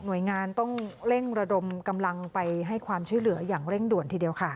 โดยงานต้องเร่งระดมกำลังไปให้ความช่วยเหลืออย่างเร่งด่วนทีเดียวค่ะ